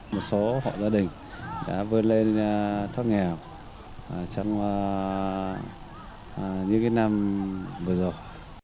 một số họ gia đình đã vươn lên thoát nghèo trong những cái năm vừa rồi